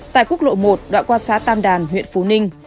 tại quốc lộ một đoạn qua xã tam đàn huyện phú ninh